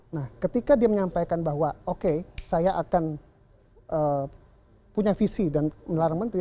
nah ketika dia menyampaikan bahwa oke saya akan punya visi dan melarang menteri